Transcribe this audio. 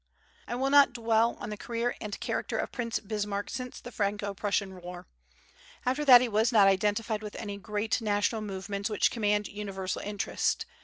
I will not dwell on the career and character of Prince Bismarck since the Franco Prussian war. After that he was not identified with any great national movements which command universal interest.